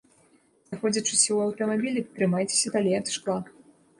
Знаходзячыся ў аўтамабілі, трымайцеся далей ад шкла.